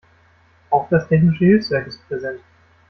Auch das Technische Hilfswerk ist präsent.